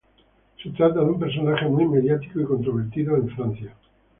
Se trata de un personaje muy mediático y controvertido en Francia.